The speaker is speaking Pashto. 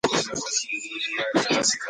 داټول نومونه هر يو خپل ځانګړى مفهوم ،